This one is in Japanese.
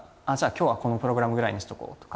今日はこのプログラムぐらいにしておこうとか。